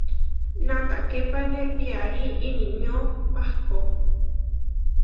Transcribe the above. Natahképane piarí inimió pahkó.